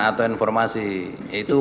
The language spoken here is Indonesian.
atau informasi itu